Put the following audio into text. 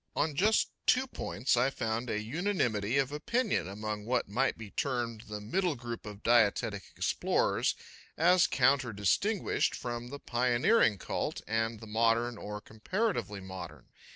On just two points I found a unanimity of opinion among what might be termed the middle group of dietetic explorers as counter distinguished from the pioneering cult and the modern or comparatively modern.